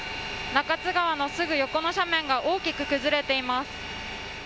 中津川のすぐ横の斜面が大きく崩れています。